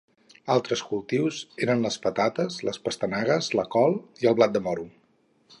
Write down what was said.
Altres cultius eren les patates, les pastanagues, la col i el blat de moro.